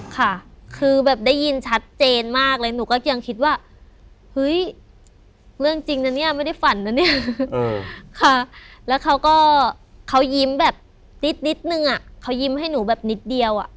ค่ะคือแบบได้ยินชัดเจนมากเลยหนูก็ยังคิดว่าเฮ้ยเรื่องจริงนะเนี่ยไม่ได้ฝันนะเนี่ยค่ะแล้วเขาก็เขายิ้มแบบนิดนึงอ่ะเขายิ้มให้หนูแบบนิดเดียวอ่ะ